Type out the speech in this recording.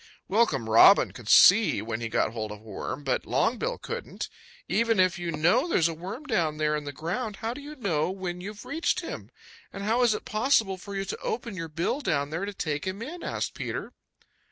Welcome Robin could see when he got hold of a worm, but Longbill couldn't. "Even if you know there is a worm down there in the ground, how do you know when you've reached him? And how is it possible for you to open your bill down there to take him in?" asked Peter.